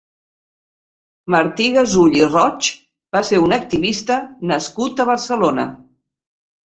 Martí Gasull i Roig va ser un activista nascut a Barcelona.